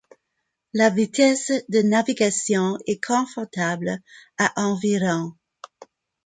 La vitesse de navigation est confortable à environ.